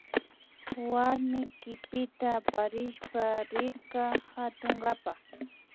Warmi kipita aparishpa rirka katunkapa